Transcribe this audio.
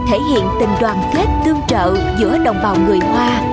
thể hiện tình đoàn kết tương trợ giữa đồng bào người hoa